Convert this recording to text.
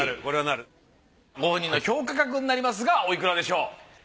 ご本人の評価額になりますがおいくらでしょう。